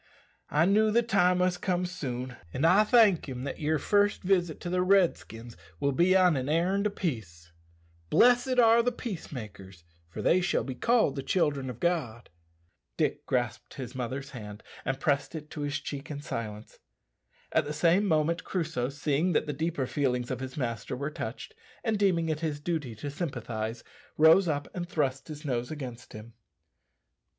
I knew the time must come soon, an' I thank him that your first visit to the Redskins will be on an errand o' peace. 'Blessed are the peace makers: for they shall be called the children of God.'" Dick grasped his mother's hand and pressed it to his cheek in silence. At the same moment Crusoe, seeing that the deeper feelings of his master were touched, and deeming it his duty to sympathize, rose up and thrust his nose against him.